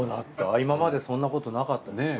今までそんなことなかったでしょ？